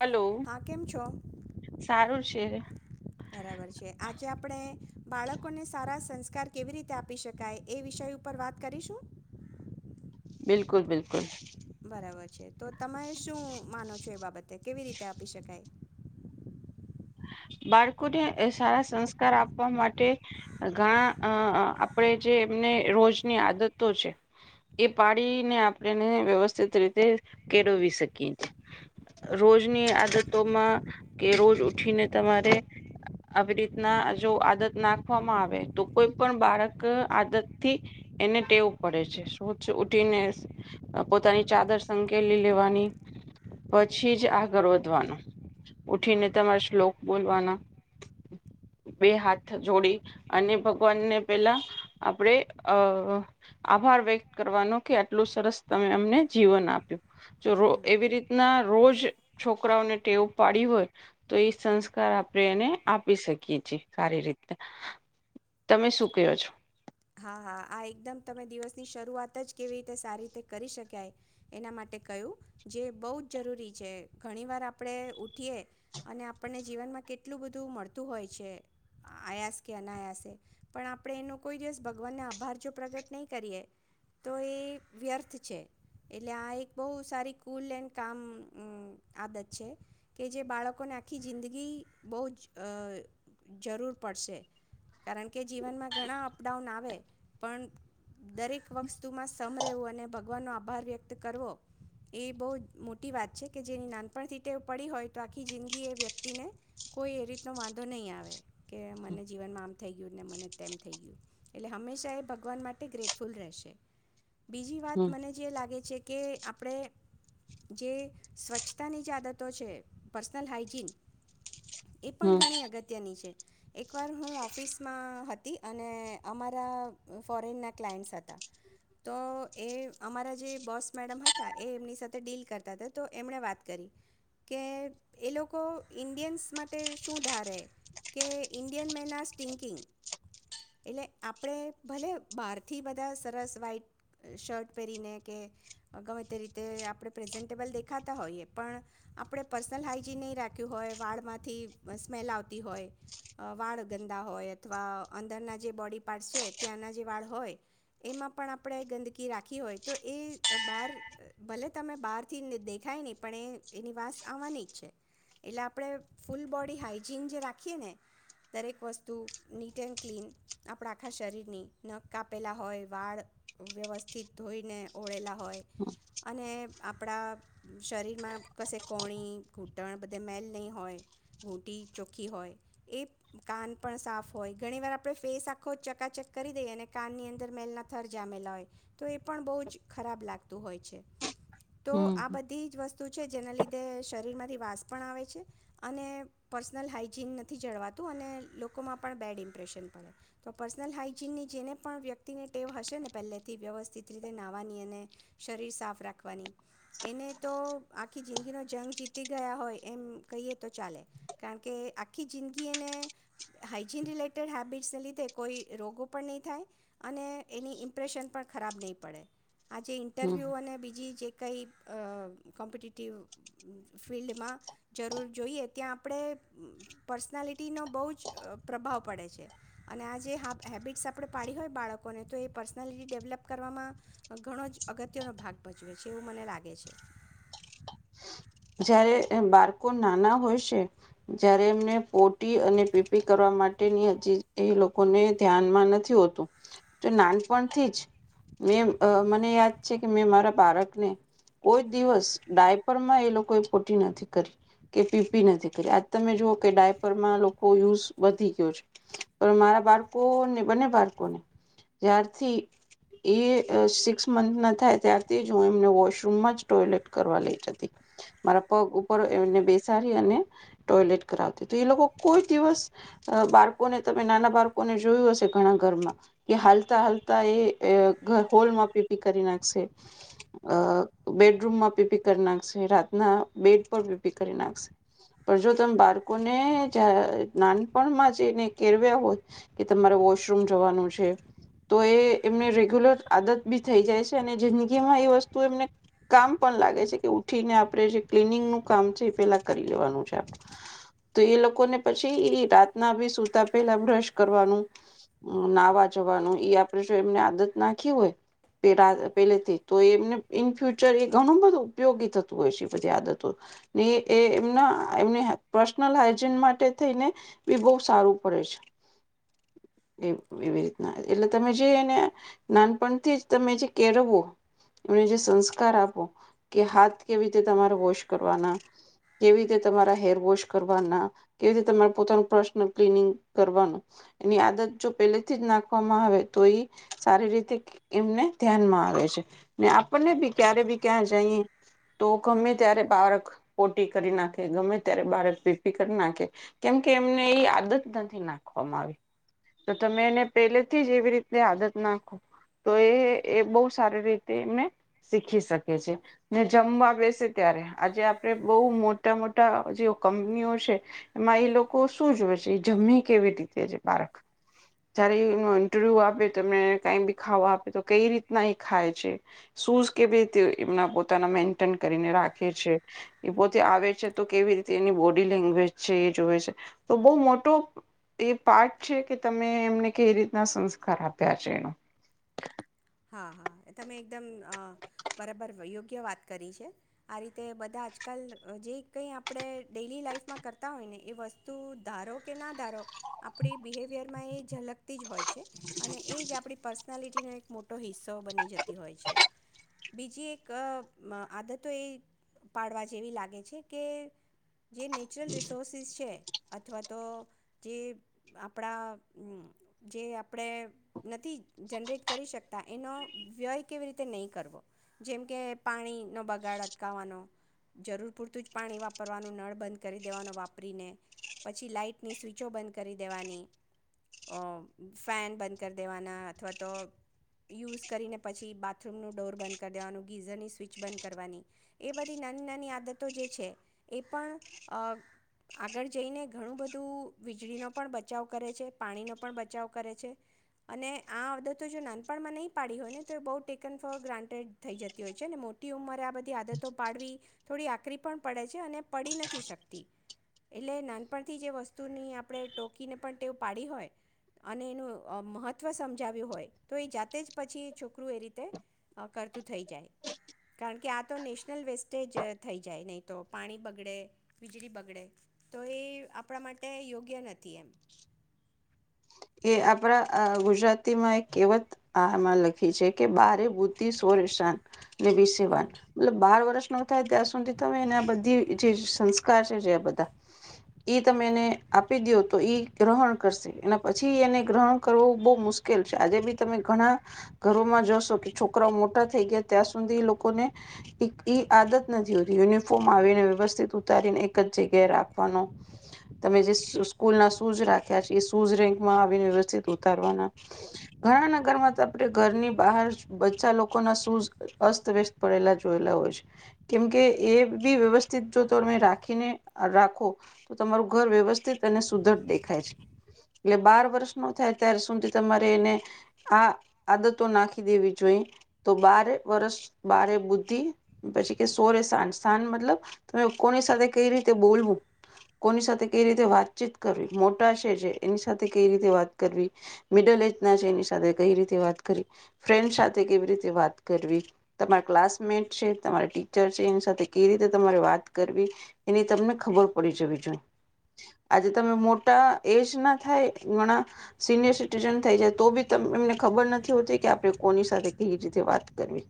Hello હા કેમ છો સારું છે બરાબર છે આજે આપડે બાળકોને સારા સંસ્કાર કેવી રીતે આપી શકાય એ વિષય ઉપર વાત કરીશું બિલકુલ બિલકુલ બ તો તમે શું માનો છો એ બાબત તે કેવી રીતે આપી શકાય બાળકોને સારા સંસ્કાર આપવા માટે ઘણા અ આપણે જે એમને રોજની આદતો છે એ પાડીને આપણેને વ્યવસ્થિત રીતે કેળવી શકીએ રોજની આદતોમાં કે રોજ ઉઠીને તમારે આવી રીતના જો આદત નાખવામાં આવે તો કોઈ પણ બાળક આદત થી એને ટેવું પડે છે શો ઉઠીને પોતાની ચાદર સંકેલી લેવાની પછી જ આગળ વધવાનું ઉઠીને તમારે શ્લોક બોલવાના બે હાથ જોડી અને ભગવાનને પેલા આપડે અ આભાર વ્યક્ત કરવાનો કે આટલું સરસ તમે અમને જીવન આપ્યું જો હમ એવી રીતના રોજ છોકરાઓને ટેવ પાડી હોય તો એ સંસ્કાર સંસ્કાર આપણે એને આપી શકીએ છીએ સારી રીતે તમે શું કયો છો હા હા આ એકદમ તમે દિવસની શરૂઆત જ કેવી રીતે સારી રીતે કરી શકાય એના માટે કહ્યું જે બહુ જ જરૂરી છે ઘણીવાર આપણે ઉઠીએ અને આપણને જીવનમાં કેટલું બધું મળતું હોય છે આયાસ કે અનાયાસે પણ આપણે એનો કોઈ દિવસ ભગવાનને આભાર જો પ્રગટ નહીં કરીએ તો એ વ્યર્થ છે એટલે આ એક બહુ સારી કુલ એન્ડ કામ આદત છે કે જે બાળકોને આખી જિંદગી બહુ જ જરૂર પડશે કારણ કે જીવનમાં ઘણા અપડાઉન આવે પણ દરેક વસ્તુમાં સમ વું અને ભગવાન નો આભાર વ્યક્ત કરવો એ બહુ મોટી વાત છે કે જેની નાનપણથી ટેવ પડી હોય તો આખી જિંદગી એ વ્યક્તિને કોઈ એ રીતનો વાંધો નહી આવે કે મને જીવનમાં આમ થઈ ગયું ને મને તેમ થઈ ગયું એટલે હંમેશા એ ભગવાન માટે ગ્રેટફુલ રહેશે બીજી વાત હમ મને જે લાગે છે છે કે આપણે જે સ્વચ્છતાની જે આદતો છે પર્સનલ હાઈજીન એ પણ હમ ઘણી અગત્ય અત્યાર ની છે એકવાર હું ઓફિસમાં હતી અને અમારા ફોરેનના ક્લાયન્ટ્સ હતા તો એ અમારા જે બોસ મેડમ હતા એ એમની સાથે ડીલ કરતા હતા તો એમણે વાત કરી કે એ લોકો ઇન્ડિયન્સ માટે શું ધારે કે ઇન્ડિયન મેન આ સ્ટિન્કિંગ એટલે આપણે ભલે બહારથી બધા સરસ વ્હાઈટ શર્ટ પહેરીને કે ગમે તે રીતે આપણે પ્રેઝન્ટેબલ દેખાતા હોઈએ પણ આપણે પર્સનલ હાાઈજીન નહીં રાખ્યું હોય વાળમાંથી સ્મેલ આવતી હોય વાળ ગંદા હોય અથવા અંદરના જે બોડી પાર્ટસ છે ત્યાંના જે વાળ હોય એમાં પણ આપણે ગંદકી રાખી હોય તો એ બહાર ભલે તમે બહારથી દેખાય નહીં પણ એ એની વાસ આવવાની જ છે એટલે આપણે ફૂલ બોડી હાઈજીન જે રાખીએ ને દરેક વસ્તુ નીટ એન્ડ ક્લીન આપણા આખા શરીરની નખ કાપેલા હોય વાળ વ્યવસ્થિત ધોઈને ઓળેલા હોય અને આપણા શરીરમાં કશે કોણી ઘૂંટણ બધે મેલ નહીં હોય ઘૂંટી ચોખ્ખી હોય એ કાન પણ સાફ હોય ઘણીવાર આપણે ફેસ આખો ચકાચક કરી દઈ અને કાનની અંદર મેલના થર જામેલા હોય તો એ પણ બહુ જ ખરાબ લાગતું હોય છે તો આ હમ બધી જ વસ્તુ છે જેના લીધે શરીરમાંથી વાસ પણ આવે છે અને પર્સનલ હાઈજીન નથી જળવાતું અને લોકોમાં પણ બેડ ઇમ્પ્રેશન પડે તો પર્સનલ હાઈજીનની જેને પણ વ્યક્તિને ટેવ હશે ને પહેલેથી વ્યવસ્થિત રીતે નાહવાની અને શરીર સાફ રાખવાની એને તો આખી જિંદગીનો જંગ જીતી ગયા હોય એમ કહીએ તો ચાલે કારણ કે આખી જિંદગી એને હાઈજીન રિલેટેડ હેબિટ્સને લીધે કોઈ રોગો પણ નહીં થાય અને એની ઇમ્પ્રેશન પણ ખરાબ નહી પડે આજે હમ ઇન્ટરવ્યુ અને બીજી જે કઈ અ કોમ્પિટટિવ ફિલ્ડમાં જરૂર જોઈએ ત્યાં આપણે પર્સનાલિટીનો બહુ જ પ્રભાવ પડે છે અને આ જે હ હેબિટ્સ આપણે પાડી હોય બાળકોને તો એ પર્સનાલિટી ડેવલપ કરવામાં ઘણો જ અગત્યનો ભાગ ભજવે છે એવું મને લાગે છે જયારે બાળકો નાના હોય છે જ્યારે એમને પોટી અને પીપી કરવા માટેની હજી એ લોકોને ધ્યાનમાં નથી હોતું તો નાનપણથી જ મે મને યાદ છે કે મેં મારા બાળકને કો દિવસ ડાયપરમાં એ લોકો પોટી નથી કરી કે પીપી નથી કરી આજ તમે જોઓ કે ડાયપરમાં લોકો યુઝ વધી ગયો છે પણ મારા બાળકોને બંને બાળકોને જ્યારથી એ સિક્સ મંથ ના થાય ત્યારથી જ હું એમને વોશરૂમમાં જ ટોયલેટ કરવા લઈ જતી મારા પગ ઉપર એમને બેસાડી અને ટોયલેટ કરાવતી તો એ લોકો કોઈ દિવસ અ બાળકોને તમે નાના બાળકોને જોયું હશે ઘણા ઘરમાં કે હાલતા હાલતા એ હોલમાં પીપી કરી નાખશે અ બેડરૂમમાં પીપી કરી નાખશે રાત ના બેડ પીપી કરી નાખશે પણ જો તમે બાળકોને જયા નાનપણમાં જઈને કેરવ્યા હોય કે તમારે વોશરૂમ જવાનું છે તો એ એમને રેગ્યુલર આદત બી થઈ જાય છે અને જિંદગી માં એ વસ્તુ એમને કામ પણ લાગે છે કે ઉઠીને આપ જે ક્લીનિંગનુ કામ છે એ પેલા કરી લેવાનું છે આપ તો એ લોકોને પછી એ રાતના બી સુતા પેલા બ્રશ કરવાનું નાહવા જવાનું એ આપણે જો એમને આદત નાખી હોય પહેલેથી તો એમને ઈન ફ્યુચર એ ઘણું બધું ઉપયોગી થતું બધી આદતો ને એમના એમને પર્સનલ હાઈજીન માટે થઈને બી બહુ સારું પડે છે એવી રીતના એટલે તમે જે એને નાનપણથી જ તમે જે કેળવો એમને જે સંસ્કાર આપો કે હાથ કેવી રીતે તમારે વોશ કરવાના કેવી રીતે તમારા હેર વોશ કરવાના કેવી રીતે હમ તમારે પોતાનો પ્રશ્ન કનિંગ કરવાનું એની આદત જો પેલેથી જ નાખવામાં આવે તો એ સારી રીતે એમને ધ્યાનમાં આવે છે ને આપણને બી ક્યારે બી ક્યાં જઈ તો ગમે ત્યારે બાળક પોટી કરી નાખે ગમે ત્યારે બાળક પીપી કરી નાખે કેમ કે એમને એ આદત નથી નાખવામાં આવી તો તમે એને પહેલેથી જ એવી રીતે આદત નાખો તો એ એ બહુ સારી રીતે એને શીખી શકે છે. જમવા બેસે ત્યારે આજે આપડે બહુ મોટા મોટા જે કંપનીઓ છે એમાં એ લોકો શું જોવે છે એ જમ કેવી રીતે છે બાળક જયારે એ ઇન્ટરવ્યુ આપે તો એમને કઈ બી ખાવા આપે તો કઈ રીતના એ ખાય છે શૂઝ કેવી રીતે એમના પો પોતાના મેન્ટેન કરીને રાખે છે. એ હમ પોતે આવે છે તો કેવી રીતે એની બોડી લેંગ્વેજ છે એ જોવે છે તો બહુ મોટો એ પાર્ટ છે કે તમે એમને કેવી રીતના સંસ્કાર આપ્યા છે એનો હા હા તમે એકદમ બરાબર યોગ્ય વાત કરી છે આ રીતે બધા આજકાલ જે કંઈ આપણે ડેલી લાાઈફમાં કરતા હોય ને એ વસ્તુ ધારો કે ના ધારો આપણી બવિયર જલકતી જ હોય છે અને એ આપ પ નાલીટીના એક મો મોટો હિસ્સો બની જતી હોય છે બીજી એક અ આદતો એ પાડવા જેવી લાગે છે કે જે નેચરલ રિસોર્સિસ છે. અથવા તો જે આપણા જે આપણે નથી જનરેટ કરી શક એનો વ્યય કેવી રીતે નહીં કરવો જેમ કે પાણીનો બગાડ અટકાવવાનો જરૂર પૂરતું જ પાણી વાપરવાનું નળ બંધ કરી દેવાનો વાપરીને પછી લાઈટની સ્વિચો બંધ કરી દેવાની અ ફેન બંધ કરી દેવાના અથવા તો યુઝ કરીને પછી બાથરૂમનુ ડોર બંધ કરી દેવાનુ ગીઝરની સ્વિચ બંધ કરવાની એ બધી નાની નાની આદતો જે છે એ પણ આગળ જઈને ઘણું બધું વીજળીનો પણ બચાવ કરે છે પાણીનો પણ બચાવ કરે છે અને આ આદતો જો નાન નાણપણમા નહી પાડી હોય ને તો એ બહુ ટેકન ફોર ગ્રાન્ટેડ થઈ જતી હોય છે અનેને મોટી ઉંમરે આ બધી આદતો પાડવી થોડી આકરી પણ પડે છે અને પડી નથી શકતી એટલે નાનપણથી જે વસ્તુની આપણે ટોકીને પણ તેવ પાડી હોય અને એનું અમહત્વ સમજાવ્યું હોય તો એ જાતે જ પછી છોકરું એ રીતે કરતું થઈ જાય કારણ કે આ તો નેશનલ વેસ્ટેજ થઈ જાય નહીં તો પાણી બગડે વીજળી બગડે તો એ આપણા માટે યોગ્ય નથી એમ એ આપણા અ ગુજરાતીમા એક કહેવત આમા લખી છે કે બારે બુદધિ સોરેશાન ને વીસે વાન હમ એટલે બાર વર્ષ થાય ત્યાં સુધી તમે એને આ બધી જે સંસ્કાર છે જે બધા એ તમે એને આપી દયો તો એ ગ્રહણ કરશે એના પછી એ ગ્રહણ કરવું બહુ મુશ્કેલ છે આજે બી તમે ઘણા ઘરોમા જોશો કે છોકરાઓ મોટા થઈ ગયા ત્યાં સુધી એ લોકોને ઈ ઈઆદત નથી હોતી યુનિફોર્મ આવીને વ્યવસ્થિત ઉતારીને એક જ જગ્યાએ રાખવાનો તમે જે સ્કૂલ ના શૂઝ રાખ્યા છે એ શૂઝ ર આવીને વ્યવસ્થિત ઉતારવાના ઘણા નગરમા આપણે ઘરની બહાર બચા લોકોના શૂઝ અસ્તવ્યસ્ત પડેલા જોયેલા હોય છે કેમકે એ બી વ્યવસ્થિત જો ત તમે રાખીને રાખો તો તમારું ઘર વ્યવસ્થિત અને સુદઢ દેખાય છે. એટલે બાર વર્ષ નો થાય ત્યારે સુધી તમારે એને આ આદતો નાખી દેવી જોઈ તો બારે વર્ષ બારે બુદ્ધિ પછી કે સોળે સાન સાન મતલબ કોની સાથે કઈ રીતે બોલવુ કોની સાથે કઈ રીતે વાતચીત કરવી મોટા છે જે વાત કરવી મિડલ એજ ના છે એની સાથે કઈ રીતે વાત કરવી ફ્રેન્ડ સાથે કેવી રીતે વાત કરવી તમારા ક્લાસમેટ છે તમારા ટીચર છે એની સાથે કઈ રીતે તમારે વાત કરવી એની તમને ખબર પડી જવી જોઈ આજે તમે મોટા એજ ના ઘણા સિનિયર સિટીઝાન થાય જાય તો બી એમને ખબર નથી હોતી કે આપણે કોની સાથે કેવી રીતે વાત કરવી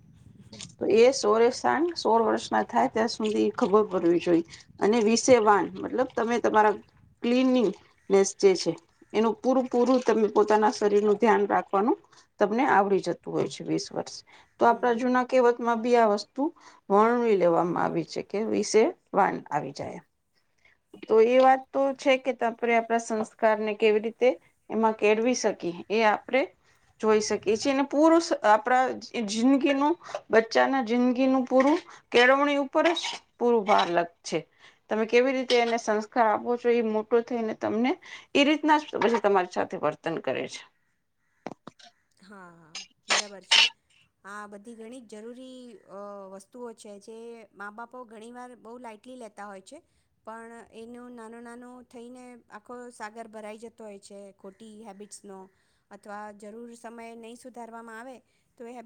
તો એ સોરેસાન સોળ વર્ષ ના થાય ત્યાં સુધી ખબર પડવી જોઈ અને વિષ વાન મતલબ તમે તમારા કક્લીનિંગનેસ જે છે. એનું પૂરું પૂરું તમે પોતાના શરીર નું ધ્યાન રાખવાનું તમને આવડી જતુ હોય છે વીસ વર્ષ તો આપડા હમ જૂના કહેવતમા- આ વસ્તુ વર્વી લેવામા આવી છે કે વિષે વાન આવી જાય તો એ વાત તો છે કે તમાણે આપણા સંસ્કારને કેવી રીતે એમા કેળવી શકીએ એ આપણે જોઈ શકીએ છીએ અને પૂરું આપણા જિંદગીનુ બચ્ચાના જિંદગીનુ પૂરું કેળવણી ઉપર જ પૂરું ભાર લગ છે તમે કેવી રીતે એને સંસ્કાર આપો છો એ મોટો થઈને તમને એ રીતના જ તમારી સાથે વર્તન કરે છે. હા હા બરાબર છે આ બધી ઘણી જ જરૂરી અ વસ્તુઓ છે જે મા બાપો ઘણીવાર બહુ લાઇટલી લેતા હોય છે પણ એનુ નાનુ નાનુથઈને આખો સાગર ભરાઈ જતો હોય છે ખોટી હેબિટ્સનો અથવા જરૂર સમયે નહીં સુધારવામા આવે તો એ-